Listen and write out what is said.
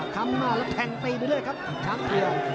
คำมาและแทงไปได้ด้วยครับค้างเคียง